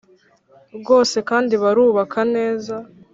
rwose kandi barubaka neza